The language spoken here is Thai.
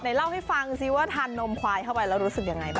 เล่าให้ฟังซิว่าทานนมควายเข้าไปแล้วรู้สึกยังไงบ้าง